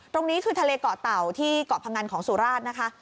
ตรงนี้คือทะเลเกาะเต่าที่เกาะพงันของสุราชนะคะ